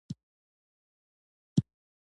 په لاتینه امریکا کې برازیل او مکسیکو دي.